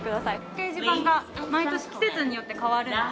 掲示板が毎年季節によって変わるんです。